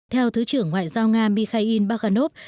theo thứ trưởng ngoại giao nga mikhail bakhanov